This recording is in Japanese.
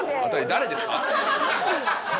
誰ですか？